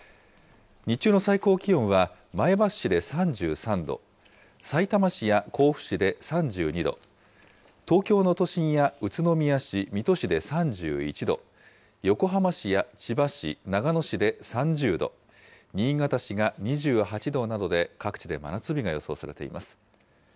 日中の最高気温は前橋市で３３度、さいたま市や甲府市で３２度、東京の都心や宇都宮市、水戸市で３１度、横浜市や千葉市、長野市で３０度、新潟市が２８度などで、各地で真夏日が予想されています。